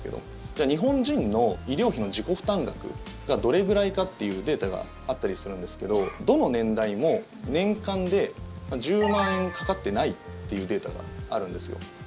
じゃあ、日本人の医療費の自己負担額がどれぐらいかっていうデータがあったりするんですけどどの年代も年間で１０万円かかってないっていうデータがあるんですよ。